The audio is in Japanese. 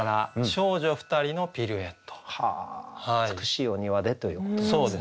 美しいお庭でということなんですね。